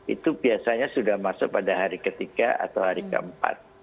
itu biasanya sudah masuk pada hari ketiga atau hari keempat